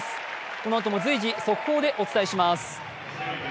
このあとも随時、速報でお伝えします。